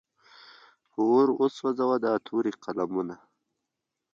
په اور وسوځه دا تورې قلمونه.